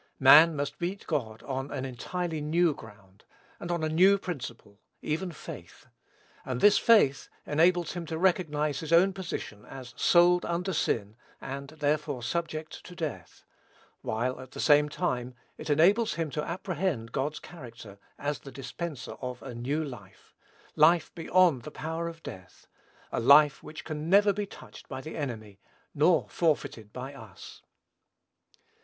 Man must meet God on an entirely new ground, and on a new principle, even faith; and this faith enables him to recognize his own position, as "sold under sin," and, therefore, subject to death; while, at the same time, it enables him to apprehend God's character, as the dispenser of a new life, life beyond the power of death, a life which can never be touched by the enemy, nor forfeited by us.